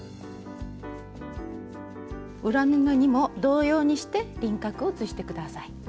裏布にも同様にして輪郭を写して下さい。